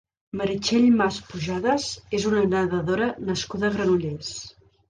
Meritxell Mas Pujadas és una nedadora nascuda a Granollers.